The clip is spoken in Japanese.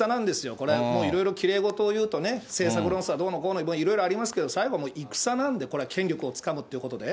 これ、もういろいろきれいごとをいうとね、政策論争はどうのこうの、いろいろありますけど、最後もう戦なんで、これは権力をつかむってことで。